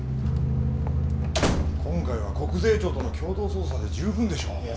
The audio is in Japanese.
今回は国税庁との共同捜査で十分でしょう。